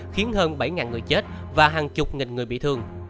khiến hơn bảy người chết và hàng chục nghìn người bị thương